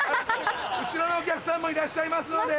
後ろのお客さんもいらっしゃいますので。